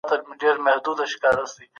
دوی خپل ارزښت پېژندلی دی.